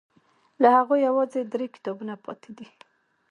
له هغوی یوازې درې کتابونه پاتې دي.